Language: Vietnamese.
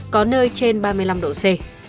có nơi trên ba mươi năm độ c